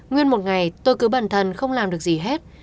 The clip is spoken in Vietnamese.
nguyên một ngày tôi cứ bẩn thần không làm được gì hết